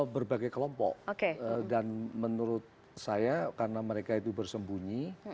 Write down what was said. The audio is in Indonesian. berbagai kelompok dan menurut saya karena mereka itu bersembunyi